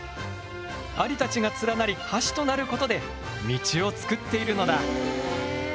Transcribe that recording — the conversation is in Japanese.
アリたちが連なり橋となることで道をつくっているのだ。